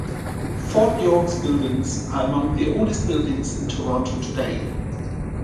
Fort York's buildings are among the oldest buildings in Toronto today.